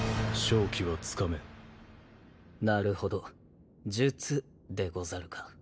なるほど術でござるか。